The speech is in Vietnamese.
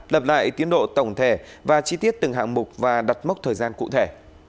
lập lại tiến độ tổng thể và chi tiết từng hạng mục và đặt mốc thời gian cụ thể